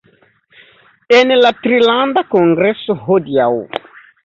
En la Trilanda Kongreso hodiaŭ